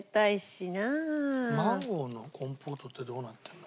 マンゴーのコンポートってどうなってるの？